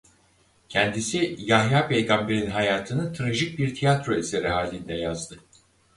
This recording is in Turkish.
Kendisi Yahya' peygamberin hayatını trajik bir tiyatro eseri halinde yazdı.